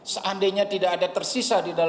seandainya tidak ada tersisa